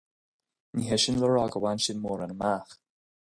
Ní hé sin le rá gur bhain sin mórán amach.